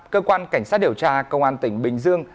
cơ quan cảnh sát điều tra công an tỉnh bình dương